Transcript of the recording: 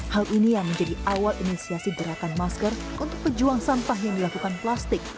hal ini yang menjadi awal inisiasi gerakan masker untuk pejuang sampah yang dilakukan plastik